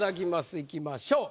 いきましょう。